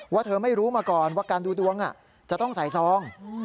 เธอไม่รู้มาก่อนว่าการดูดวงจะต้องใส่ซอง